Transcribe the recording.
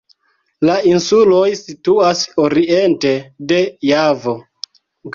La insuloj situas oriente de Javo.